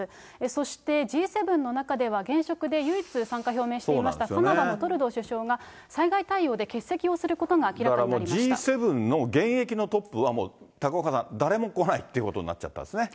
そしてＧ７の中では現職で唯一参加を表明していました、カナダのトルドー首相が災害対応で欠席をすることが明らかになりＧ７の現役のトップは、もう高岡さん、誰も来ないっていうことになっちゃったですね。